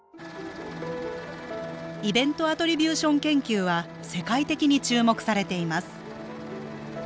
イベント・アトリビューション研究は世界的に注目されています